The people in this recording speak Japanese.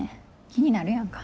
気になるやんか。